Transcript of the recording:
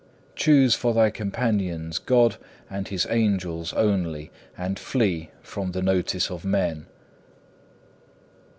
Choose for thy companions God and His Angels only, and flee from the notice of men.